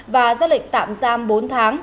và giác lệnh tạm giam bốn tháng